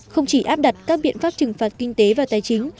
không chỉ áp đặt các biện pháp trừng phạt kinh tế và tài chính